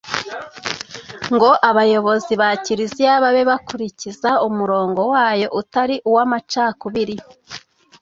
ngo abayobozi ba kiliziya babe bakurikiza umurongo wayo utari uw'amacakubiri